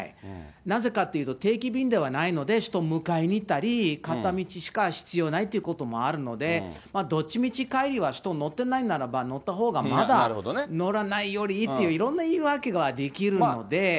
なぜかというと、定期便ではないので人迎えに行ったり、片道しか必要がないということもあるので、どっちみち帰りは人、乗ってないなら乗ったほうがまだ乗らないよりいいっていう、いろんな言い訳はできるので。